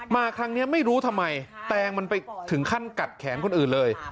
มาครั้งนี้ไม่รู้ทำไมแตงมันไปถึงขั้นกัดแขนคนอื่นเลย